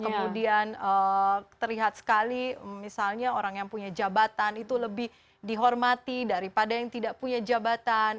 kemudian terlihat sekali misalnya orang yang punya jabatan itu lebih dihormati daripada yang tidak punya jabatan